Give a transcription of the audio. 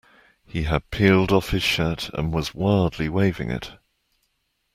He had peeled off his shirt and was wildly waving it.